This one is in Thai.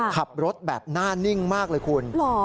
ขับรถแบบหน้านิ่งมากเลยคุณ